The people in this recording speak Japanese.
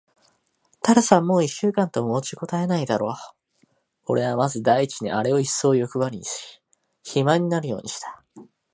タラスはもう一週間と持ちこたえないだろう。おれはまず第一にあれをいっそうよくばりにし、肥満になるようにした。